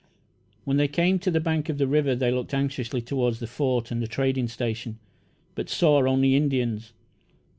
When they came to the bank of the river, they looked anxiously toward the Fort and the trading station, but saw only Indians.